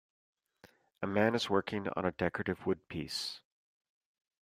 A man is working on a decorative wood piece.